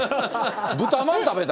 豚まん食べた？